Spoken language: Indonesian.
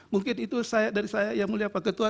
mungkin itu dari saya yang mulia pak ketua